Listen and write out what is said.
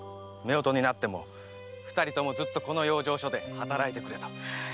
夫婦になっても二人ともずっとこの養生所で働いてくれと。